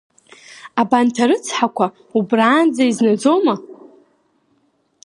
Абанҭ арыцҳақәа, убранӡа изнаӡома?!